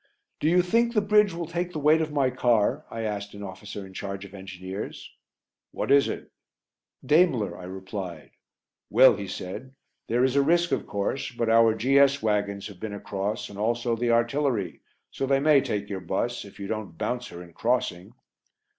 "Do you think the bridge will take the weight of my car?" I asked an officer in charge of engineers. "What is it?" "Daimler," I replied. "Well," he said, "there is a risk, of course, but our G.S. wagons have been across and also the artillery, so they may take your bus if you don't bounce her in crossing."